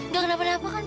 gak kenapa napakan pa